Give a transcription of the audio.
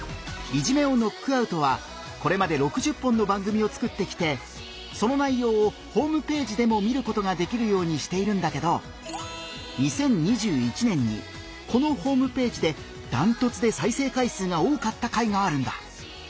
「いじめをノックアウト」はこれまで６０本の番組を作ってきてその内容をホームページでも見ることができるようにしているんだけど２０２１年にこのホームページでダントツで再生回数が多かった回があるんだ。